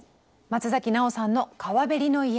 松崎ナオさんの「川べりの家」。